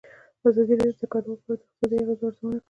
ازادي راډیو د کډوال په اړه د اقتصادي اغېزو ارزونه کړې.